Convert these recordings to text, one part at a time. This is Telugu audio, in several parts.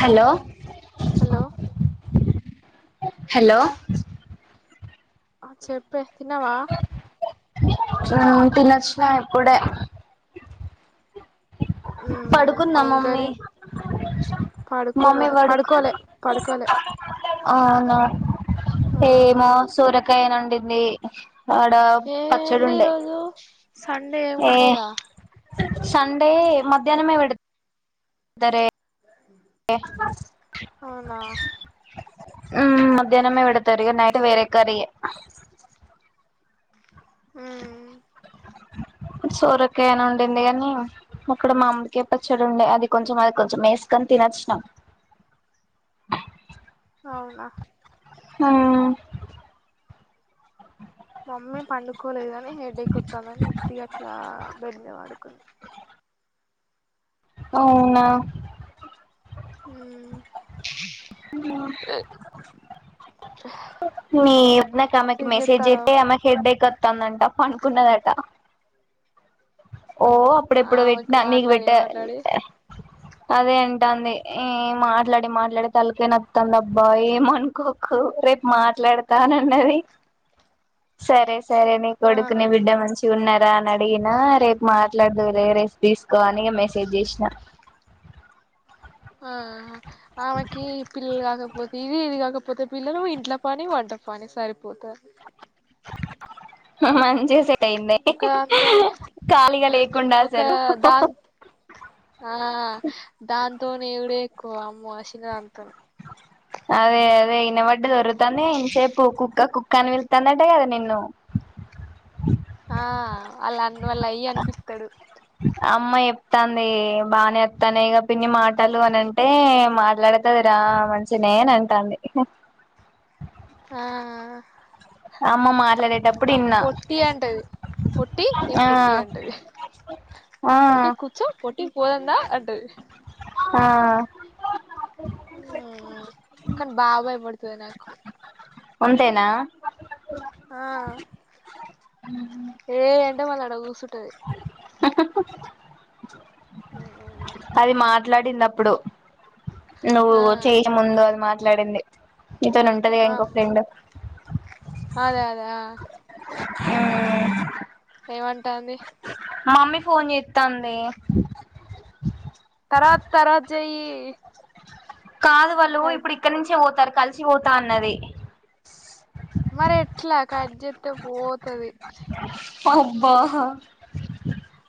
హలో హలో హలో చెప్పే తిన్నవా తినొచ్చినా ఇప్పుడే మ్మ్ పడుకుందా ఏం మమ్మీ కర్రీ పడుకుంది మమ్మీ పడుకు పడుకోలే పడుకోలే అవునా ఆ ఏమో సొరకాయనీ వండింది ఆడ పచ్చడి ఏంది ఉండే ఈరోజు సండే ఏమి ఏ ఉండదా సండే మధ్యాహ్నమే పేడు తరే [inaudible] ఎ ఫర్ అవునా ఉ మధ్యాహ్నమే పేడతార ఇగా నైట్ వేరే కర్రి ఎ ఉమ్ సోరకాయ్నే వొండింది గానీ అక్కడ మామిడి పచ్చడి ఉండే అది కొంచెం అది కొంచెం ఎసుకొని తినొచ్చినాం అవునా ఉ మమ్మీ పండుకోలేదు గాని హెడేక్ వస్తాందని ఉత్తి అట్లా బెడ్ మీ పడుకుంది అవునా ఉమ్ అవునా మీ నాక్ ఆమెకి ఏం మెసేజ్ చేత్తన్నావ్ జెతే ఆమెకి హెడ్డైక్ వస్తదంట పనుకున్నదట ఓ అప్పుడు ఎప్పుడు ఆమెకి పెట్టినా నీకు మాట్లాడి పెట్ట మాట్లాడి అదేంటోంది ఏ మాట్లాడి మాట్లాడి తలకాయ్ నోస్తుంది అబ్బా ఏమనుకో రేపు మాట్లాడతానన్నది సరే సరే నీ ఆ కొడుకుని బిడ్డ మంచిగా ఉన్నారా అని అడిగిన రేపు మాట్లాడుదులే రేస్ట్ తీసుకో అని మెసేజ్ చేసినా ఆ ఆమెకి పిల్లలు కాకపోతే ఇది ఇది కాకపోతే పిల్లలు ఇంట్లా పని వంట పని సరిపోతది హ మంచి చే యింది ఒకదాంతో హ ఖాళీగా లేకుండా ఒక అసలు దా హ ఆ దాంతోనే ఎగుడే ఎక్కువ అమ్మ అసిన దాంతో అదే అదే ఇన బడ్డీది ఓరుతాంది ఇంసేపు కుక్క కుక్క అని పి తందట్టే గదా నిన్ను ఆ వాళ్ళ అన్న వాళ్ళ అయ్యా అనిపిస్తాడు అమ్మా చెప్తాంది బాగనే వస్తానయగా పిన్ని మాటలు అని అంటే మాట్లాడ ఉంటదిరా మంచిగనే అంటాంది ఆ అమ్మ మాట్లాడేటప్పుడు ఆమె ఇన్నా పొట్టి అంటది పొట్టి ఏ ఆ పొట్టి అంటది ఆ పొట్టి కుచో పొట్టి పోదందా అంటది ఆ అ కానీ బాబాయ పుడుతది నాకు అంతేనా ఆ ఉ ఏ ఎండ మళ్ళ ఆడ కూసుంటది హ హ ఉ అది మాట్లాడింది అప్పుడు నువ్వు ఆ చేసే ముందు అది మాట్లాడింది ఇతోని ఉంటది గదా ఆ ఇంకో ఫ్రెండ్ అదే అదే అ [inaudible] ఏమంటాంది మమ్మీ ఫోన్ చేస్తాంది తర్వాత తర్వాత చెయ్యి కాదు వాళ్ళు కట్ ఇప్పుడు ఇక్కడి నుంచే పోతారు కలిసి పోతా అన్నది మరి ఎట్లా కట్ జెతే పోతది అబ్బా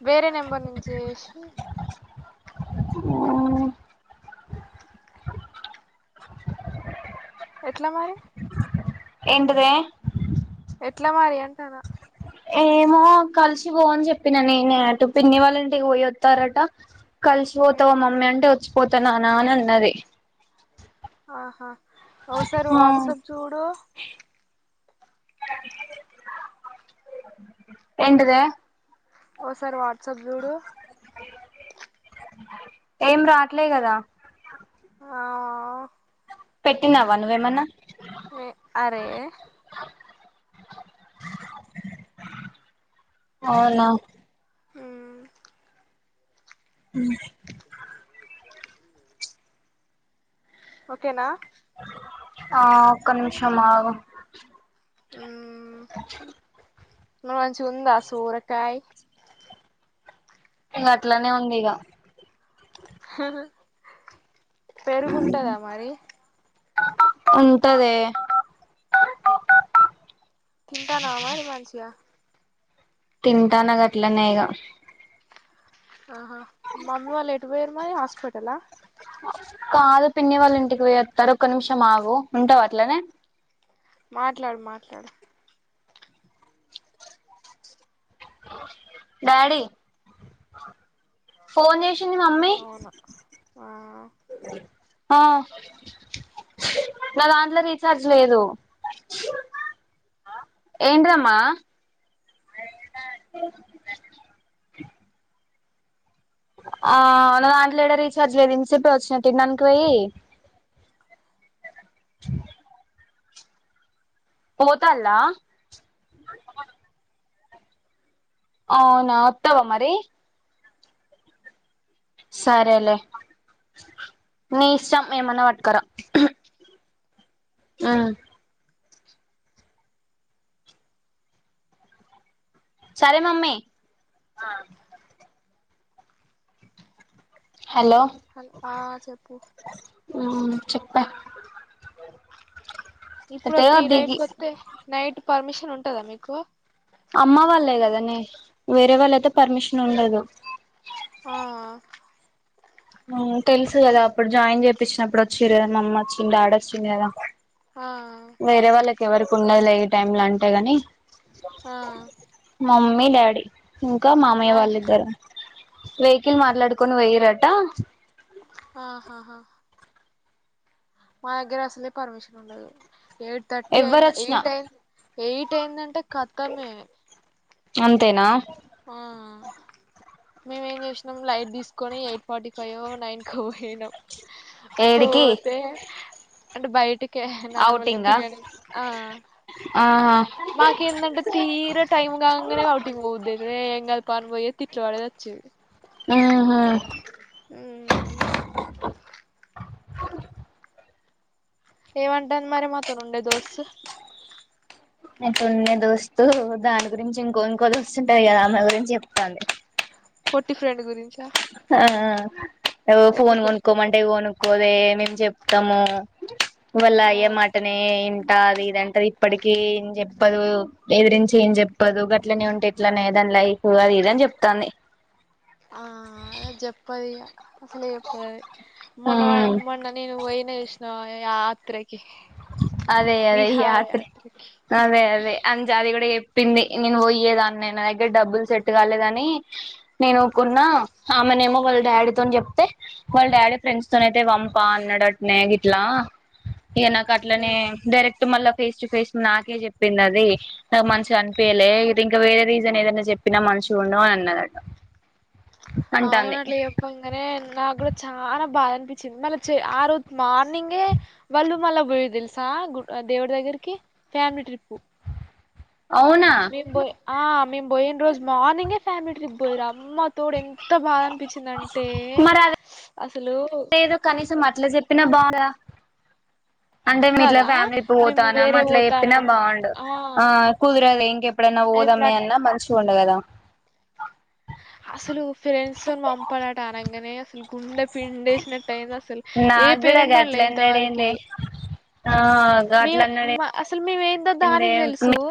వేరే నెంబర్ నుంచి చేసి హుమ్ ఎట్ల మరి ఎంటిదే ఎట్ల మరి అంటాన్న ఏమో కలిసి పో అని చెప్పినా నేనే అటు పిన్ని వాళ్ళంటికి పోయొత్తరట కలిసిపోతావా మమ్మీ అంటే వచ్చిపోతా నానా అని అన్నది ఆహా ఓసారి వాట్సప్ చూడు ఎంటిదే ఓ సారి వాట్సాప్ చూడు ఏం రాట్లే కదా ఆ పెట్టినావా నువ్వేమన్నా హుమ్ అరే అవునా హుమ్ హుమ్ ఓకేనా ఆ ఒక్క నిమిషం ఆగు హుమ్ మంచిగుందా సోరకాయ్ అట్లనే ఉంది ఇగ అహ పెరుగుంటుందా మరి ఉంటదే తింటన్నవా మరి మంచిగా తింటాన గట్లనే ఇగ ఆహా మమ్మీ వాళ్ళు ఎటు పోయిరు మరి హాస్పిటలా కాదు పిన్ని వాళ్ళ ఇంటికి పోయత్తారు ఒక్క నిమిషం ఆగు ఉంటవ అట్లనే మాట్లాడు మాట్లాడు డాడీ ఫోన్ చేసింది మమ్మీ అవునవును ఆ ఆ నా దాంట్ల రీచార్జ్ లేదు ఏంటిదమ్మా ఆ దాంట్ల ఏడ రీఛార్జ్ లేదు ఇన్సేపే వచ్చిన తినటానికి పోయి పోతల్లా అవునా వత్తవా మరి సరే లే నీ ఇష్టం ఏమన్నా పట్కరా హుమ్ సరే మమ్మీ ఆ హలో ఆ చెప్పు ఊ చెప్పా ఇప్పుడొత్తే ఈ టైమ్ కొత్తే నైట్ పర్మిషన్ ఉంటదా మీకు అమ్మ వాళ్ళే గదనే వేరే వాళ్ళైతే పర్మిషన్ ఉండదు ఆ తెలుసు గదా అప్పుడు జాయిన్ చేపిచినప్పుడు వచ్చిరు కదా మమ్మొచ్చిన్ డాడ్ వచ్చిండు గదా ఆ వేరే వాళ్ళకి ఎవరికి ఉన్నదిలే ఈ టైమ్ లో అంటే గని ఆ మమ్మీ డాడీ ఇంకా మా మామయ్య వాళ్ళిద్దరు వేయ్కిల్ మాట్లాడుకొని పోయ్యిరట ఆహాహా మా దగ్గర అసలే పర్మిషన్ ఉండదు ఎయిట్ థర్టీ అయింద్ ఎవ్వరొచ్చినా ఎయిట్ అయింద్ ఎయిట్ అయిందంటే కతమే అంతేనా ఆ మేమేం చేసినం లైట్ తీస్కోని ఎయిట్ ఫార్టీ ఫైవో నైన్ కో బొయినం ఏడికి పోతే అంటే బై నార్మల్ గ ఔటింగా తిర్యాణికి ఆహా మాకేందంటే తీర టైం కాంగనే ఔటింగ్ పోబుద్దై ఏం గాద్ పాన్ బొయే తిట్లు పడేది వచ్చే ఆహ ఊ ఏమంటాంది మరి మాతోనుండే దోస్త్ నకుండే దోస్తు దాని గురించి ఇంకో ఇంకో దోస్తుంటది గదా అమ్మె గురించి చెప్తాంది ఫర్టీ ఫ్రెండ్ గురించా ఆ ఫోన్ ఎందుకో కొనుకోమంటె కొను కోదే మేము జెప్తము వాళ్ళయ్య మాటనే ఇదంటది ఇప్పటికి ఏం జెప్పదు బెదిరించి ఏం జెప్పదు గట్లనే ఉంటే ఎట్లనేదాని లైఫ్ అది ఇదని జెప్తాంది ఆ అది చెప్పదిగ అసలే చెప్పదది మొన్నవా ఉమ్ మొన్న నేను బొయిన జూష్నవా యాత్రకి అదే అదే విహార యాత్రి యాత్రకి అదే అదే జాది గుడ జెప్పింది నేను బొయ్యేదాన్నే నా దగ్గర డబ్బులు సెట్ గాలేదని నేను కొన్నా ఆమెనేమో వాళ్ళ డాడీతోని జెప్తే వాళ్ళ డాడీ ఫ్రెండ్స్ తోనైతే పంపా అన్నడట్నే గిట్లా ఇగ నా అట్లనే డైరెక్ట్ మళ్ళా ఫేస్ టు ఫేస్ నాకే జెప్పిందది నాకు మంచిగా అనిపియలే ఇదింక వేరే రీజన్ ఏదనా చెప్పినా మంచిగుండవ్ అన్నదట అంటాంది అవునట్ల జెప్పం నాగ్గుడా చాలా బాదనిపిచింది మళ్ళ ఆ రోజు మార్నింగే వాళ్ళు మళ్ళ పొయిర్ దెలుసా గు దేవుడి దగ్గరకి ఫ్యామిలీ ట్రిప్పు అవునా మేం ఆ మేము బొయిన రోజు మార్నింగే ఫ్యామిలీ ట్రిప్ బొయిరు అమ్మ తోడు ఎంత బా అనిపి చ్చిందంటే అసలు లేదు కనీసం అట్ల జెప్పినా అంటే మేం ఇట్లా కదా ఫ్యామిలీ మేము పోతాన్నాం వేరే అట్లా చెప్పినా పోతానం బావుండు. ఆ కుదరదు ఇంకెప్పుడైనా ఇప్పుడు పోదామె అట్ అన్నా మంచిగా ఉండు కదా. అసలు ఫ్రెండ్స్ తోని పంపడాట అనంగనే అసలు గుండె పిండేసినట్టయింది అసలు ఏ నాకు కూడా పేరెంట్ అన్లే గట్లన్నాడేందే ఇంతవరకి. ఆ గట్లన్నడే అ అసలు మేము ఎం ఎండే [unintelligible]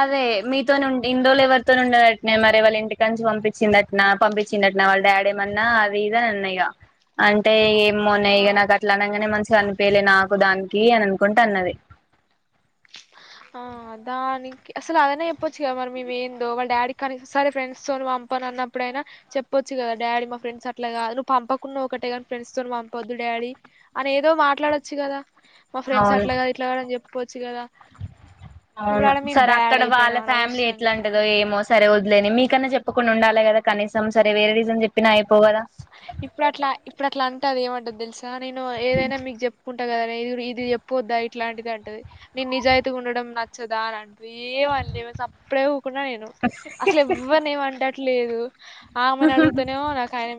అదే మీతోని ఉం ఇన్ని రోజులు ఎవరితోని ఉండేనట్నే మరి వాళ్ళ ఇంటికానుంచి పంపిచ్చింది అ నా పంపించిడట్నా వాళ్ళ డాడేమన్నా అది ఇది అని అన్న ఇగ అంటే ఎమోనే ఇగ ఆ నాకు అట్లా అనంగనే మంచిగా అనిపియలే నాకు దానికి అని అనుకుంట అన్నది. ఆ దాని అస్సలు అదైనా చెప్పచ్చు కదా మరి మేము ఏందో, వాళ్ళ డాడీ కానీ సరే ఫ్రెండ్స్ తోని పంపను అన్నప్పుడైనా చెప్పొచ్చు కదా డాడీ మా ఫ్రెండ్స్ అట్లా కాదు, నువ్వు పంపకున్నా ఒకటే కానీ ఫ్రెండ్స్ తోని పంపొద్దు డాడీ అని ఏదో మాట్లాడొచ్చు కదా మా ఫ్రెండ్స్ అవును అట్లాగాదు ఇట్లగాదు అని చెప్పొచ్చు కదా. ఇప్పుడు అవును ఆడ మేము సరే బ్యాడ్ అక్కడ వాళ్ళ అయిపోయినాం ఫ్యామిలీ అనవసరంగా ఎట్లాంటది దో ఏమో సరే వద్లేండి సరే మీకన్నా చెప్పకుండా ఉండాలె కదా కనీసం సరే వేరే రీజన్ చెప్పినా అయిపోవు కదా. ఇప్పుడు అట్లా ఇప్పుడు అట్లా అంటే అది ఏమంటది తెలుసా నేను ఏదైనా మీకు చెప్ కుంటా కదనే ఇది చెప్పొద్దా ఇట్లాంటిది అంటది, నేను నిజాయితీగా ఉండడం నచ్చదా అని అం నువ్వేం అనలేవు సప్పుడేక ఊకున్న నేను అసలు ఎవ్వరిని ఏం అనేటట్లేదు. ఆమెను అడుగుతనేమో నాకు ఆయన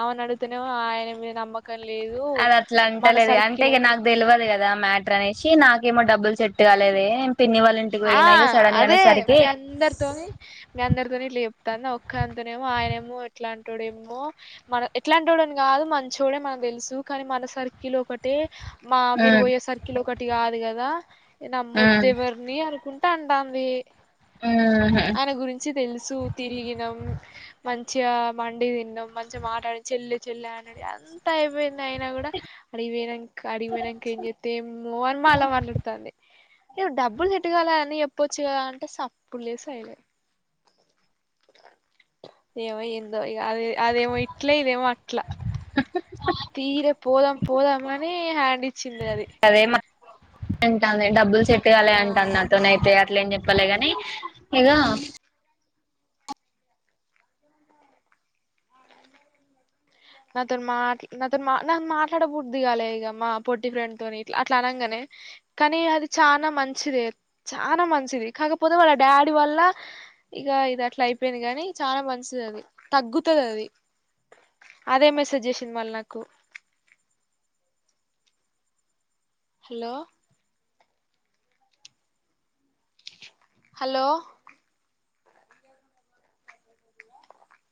ఆమెను అడుగునే ఆయన మీద నమ్మకం లేదు. అది అట్లా మన అంటలేదే అంటే సర్కిల్ ఇగ ఒక నాకు తెల్వదు కదా మ్యా టర్ అనేశి నాకేమో డబ్బులు సెట్ కాలేవే పిన్ని వాళ్ళ ఇంటికి ఆ పోయినా ఇగ సడన్ గా అదే అనేసరికి మీ అందరితోని మీ అందరితోని ఇట్ల చెప్తాంది, నా ఒక్క దానితోనేమో ఆయననేమో ఎట్లాంటోడేమో మన ఎట్లాంటోడు అని కాదు మంచోడే మనకు తెలుసు కానీ మన సర్కిల్ ఒక టి మా మీరు ఉమ్ పోయే సర్కిల్ ఒకటి కాదు కదా నమ్మొదు ఉమ్ ఏవర్ ర్ని అనుకుంటా అంటాంది ఉమ్ ఆయన గురిం చి తెలుసు తిరిగినం మంచిగా మండి తిన్నాం, మంచిగా మాట్లాడి చెల్లె చెల్లె అన్నడు అం తా అయిపోయింది అయిన కూడా ఆడికి పోయినం క ఆడికిపోయినంక ఏం చేత్తే ఏమ్మెా అని మళ్ళ మాట్లాడుతాంది ఇగ డబ్బు బ్బులు సెటగాలే అని చెప్పొచ్చు కదా అంటే సప్పుడు లేదు సయిలెంట్. ఏమో ఏందో ఇగ అది అదేమో ఇట్లా ఇదేమో అట్లా తీర పోదాం పోదాం అని హ్యాండ్ ఇచ్చింది అది. అదేం అంటంది డబ్బులు సెట్ గాలే అంటాంది ఆ నాతోనయితే అట్ల ఏం చెప్పాలే గాని ఇగ నాతోని మాట్లా నాతోని మా నాకు మాట్లాడ బుద్దికాలే ఇగ మా పొట్టి ఫ్రెండ్ తోని ఇట్లా అట్లా అనంగనే. కానీ అది చానా మంచిదే, చానా మంచిది కాకపోతే వాళ్ళ డాడీ వల్ల ఇగ ఇది అట్ల అయిపోయింది గాని చాలా మంచిది అది, తగ్గుతది అది. అదే మెసేజ్ చేసింది మళ్ళ నాకు. Hello hello